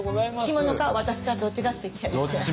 着物か私かどっちがすてきやねんな？